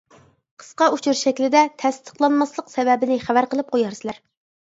قىسقا ئۇچۇر شەكلىدە تەستىقلانماسلىق سەۋەبىنى خەۋەر قىلىپ قويارسىلەر.